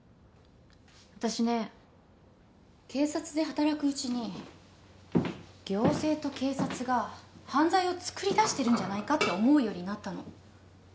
私ね警察で働くうちに行政と警察が犯罪をつくり出してるんじゃないかって思うようになったの。